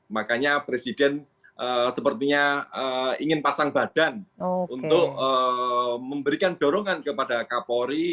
makanya presiden sepertinya ingin pasang badan untuk memberikan dorongan kepada kapolri